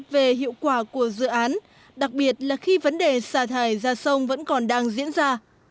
về hiệu quả của dự án đặc biệt là khi vấn đề xả thải ra sông vẫn còn đang diễn ra